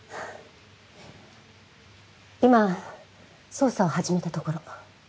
今捜査を始めたところ。